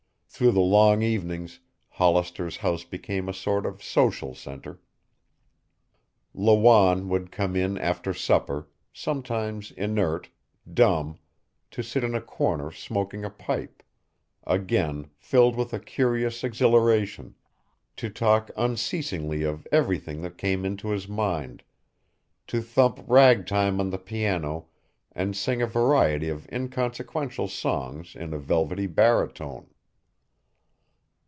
Through the long evenings Hollister's house became a sort of social center. Lawanne would come in after supper, sometimes inert, dumb, to sit in a corner smoking a pipe, again filled with a curious exhilaration, to talk unceasingly of everything that came into his mind, to thump ragtime on the piano and sing a variety of inconsequential songs in a velvety baritone.